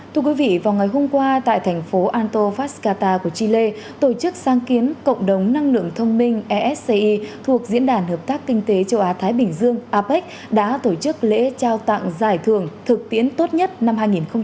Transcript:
thưa quý vị vào ngày hôm qua tại thành phố antofascata của chile tổ chức sang kiến cộng đồng năng lượng thông minh esci thuộc diễn đàn hợp tác kinh tế châu á thái bình dương apec đã tổ chức lễ trao tặng giải thưởng thực tiễn tốt nhất năm hai nghìn một mươi chín